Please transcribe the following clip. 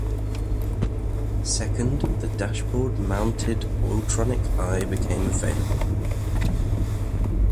Second, the dashboard-mounted "Autronic Eye" became available.